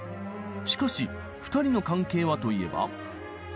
しかし二人の関係はといえば。